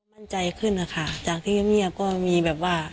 มั่นใจขึ้นนะคะจากที่เงียบก็มีแบบว่า